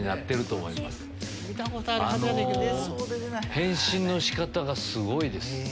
変身の仕方がすごいです。